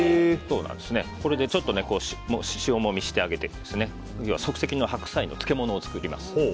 これでちょっと塩もみしてあげて即席の白菜の漬物を作ります。